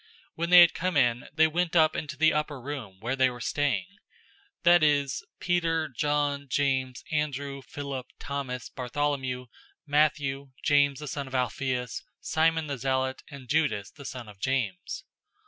001:013 When they had come in, they went up into the upper room, where they were staying; that is Peter, John, James, Andrew, Philip, Thomas, Bartholomew, Matthew, James the son of Alphaeus, Simon the Zealot, and Judas the son of James.